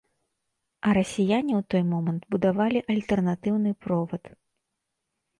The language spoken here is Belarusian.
А расіяне ў той момант будавалі альтэрнатыўны провад.